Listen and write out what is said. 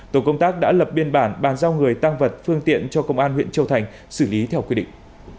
tổ công tác đã lập biên bản bàn giao người tăng vật phương tiện cho công an huyện châu thành xử lý theo quy định